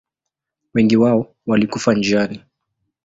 Wengi wao walikufa njiani.